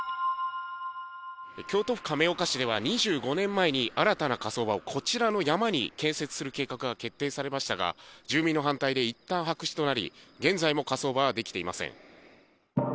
京都府亀岡市では、２５年前に新たな火葬場を、こちらの山に建設する計画が決定されましたが、住民の反対でいったん白紙となり、現在も火葬場は出来ていません。